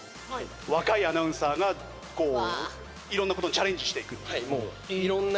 若いアナウンサーがこう色んな事にチャレンジしていくっていう。